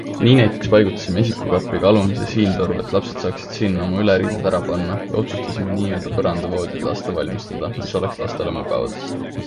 Nii näiteks paigutasime esikukappi ka alumise siintoru, et lapsed saaksid sinna ise oma üleriideid ära panna ja otsustasime niiöelda põrandavoodid lasta valmistada, mis oleks lastele mugavad.